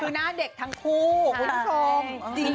คือหน้าเด็กทั้งคู่คุณผู้ชม